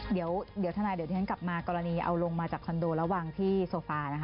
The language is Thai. เดี๋ยวทนายเดี๋ยวที่ฉันกลับมากรณีเอาลงมาจากคอนโดแล้ววางที่โซฟานะคะ